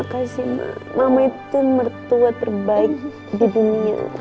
makasih mama mama itu mertua terbaik di dunia